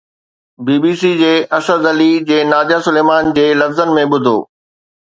بي B C جي اسد علي جي ناديه سليمان جي لفظن ۾ ٻڌو